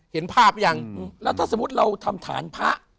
เห็นภาพหรือยังแล้วถ้าสมมุติเราทำฐานพระ